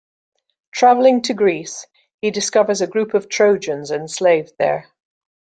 Travelling to Greece, he discovers a group of Trojans enslaved there.